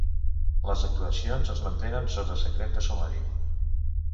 Les actuacions es mantenen sota secret de sumari.